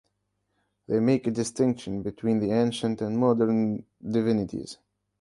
They make a distinction between the ancient and modern divinities.